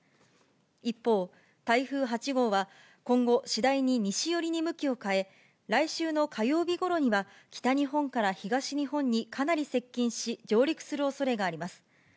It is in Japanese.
一方、台風８号は今後、次第に西寄りに向きを変え、来週の火曜日ごろには、北日本から東日本にかなり接近し、上陸するおそれがあります。